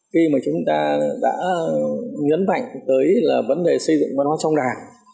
khi mà chúng ta đã nhấn mạnh tới là vấn đề xây dựng văn hóa trong đảng